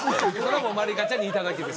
まりかちゃんにいただける？